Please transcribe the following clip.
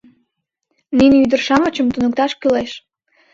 Нине ӱдыр-шамычым туныкташ кӱлеш.